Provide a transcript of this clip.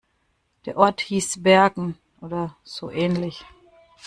Der Ort hieß Bergen oder so ähnlich.